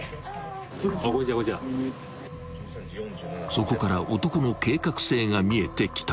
［そこから男の計画性が見えてきた］